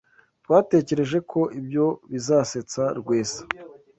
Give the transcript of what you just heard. Twatekereje ko ibyo bizasetsa Rwesa.